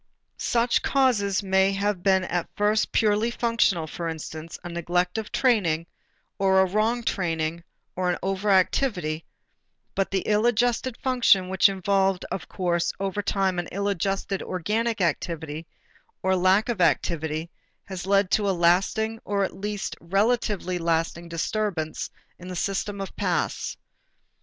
Such causes may have been at first purely functional: for instance, a neglect of training, or a wrong training, or an over activity, but the ill adjusted function which involved, of course, every time an ill adjusted organic activity or lack of activity, has led to a lasting or at least relatively lasting disturbance in the system of paths.